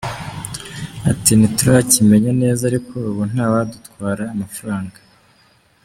Ati «Ntiturakimenya neza ariko ubu nta wadutwara amafaranga.